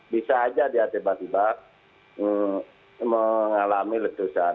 bisa saja dia tiba tiba mengalami letusan